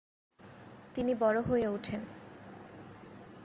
তিনি বড় হয়ে উঠেন।